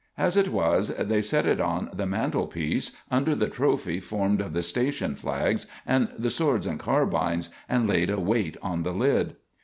As it was, they set it on the mantelpiece under the trophy formed of the station flags and the swords and carbines, and laid a weight on the lid.